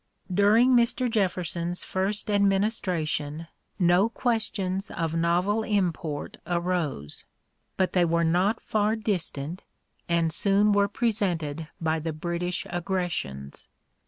During Mr. Jefferson's first administration no questions of novel import arose. But they were not far distant, and soon were presented by the British aggressions.